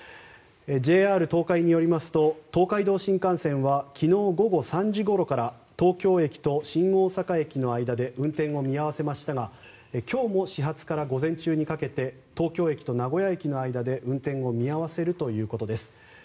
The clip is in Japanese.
ＪＲ東海によりますと東海道新幹線は昨日午後３時ごろから東京駅と新大阪駅の間で運転を見合わせましたが今日も始発から午前中にかけて東京駅と名古屋駅の間で運転を見合わせるということです。